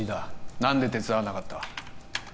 何で手伝わなかった